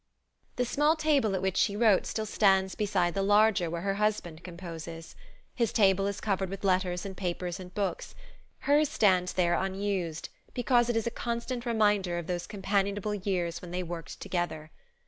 The small table at which she wrote still stands beside the larger where her husband composes. His table is covered with letters and papers and books; hers stands there unused, because it is a constant reminder of those companionable years, when they worked together.